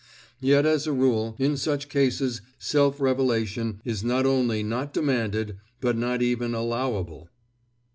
Yet as a rule, in such cases self revelation is not only not demanded, but not even allowable.